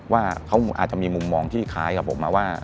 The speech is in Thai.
ว่าเขาอาจจะมีมุมมองที่คล้ายกับผมมาว่า